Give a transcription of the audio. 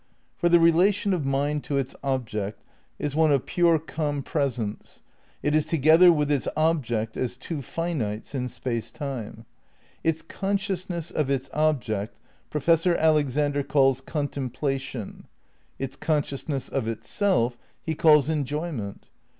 For the relation of mind to its object is one of pure "compresence." It is together with its object as two finites in Space Time. Its consciousness of its object Professor Alexander calls "contemplation"; its con sciousness of itself he calls "enjoyment."